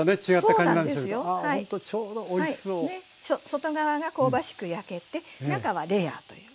外側が香ばしく焼けて中はレアという。